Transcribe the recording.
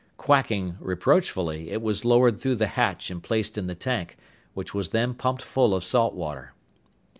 "Quacking" reproachfully, it was lowered through the hatch and placed in the tank, which was then pumped full of salt water.